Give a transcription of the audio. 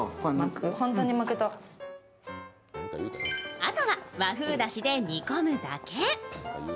あとは和風だしで煮込むだけ。